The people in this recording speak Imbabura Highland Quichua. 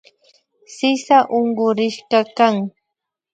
Sisa unkurishkakan